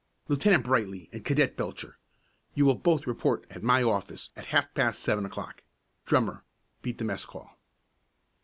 Lieutenant Brightly and Cadet Belcher, you will both report at my office at half past seven o'clock. Drummer, beat the mess call!"